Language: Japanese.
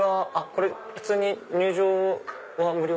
これ普通に入場は無料？